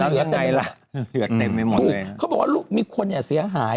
อ่าแล้วยังไงล่ะเหลือเต็มไม่หมดเลยเขาบอกว่าลูกมีคนเนี่ยเสียหาย